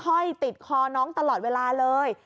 ห้อยติดคอน้องตลอดเวลาเลย